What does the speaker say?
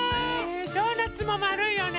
ドーナツもまるいよね。